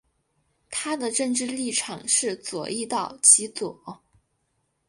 它的政治立场是左翼到极左。